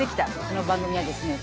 この番組はですね